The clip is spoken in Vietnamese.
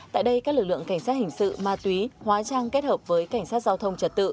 tại đây các lực lượng cảnh sát hình sự ma túy hóa trang kết hợp với cảnh sát giao thông trật tự